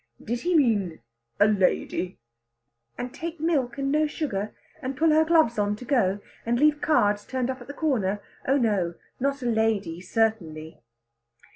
"Did he mean a lady?" "And take milk and no sugar? And pull her gloves on to go? And leave cards turned up at the corner? Oh no not a lady, certainly!"